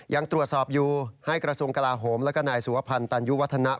ยังตรวจสอบอยู่ให้กระสุนกราโหมและไหนสุวะพันธุ์ตรัญญุวัฒนา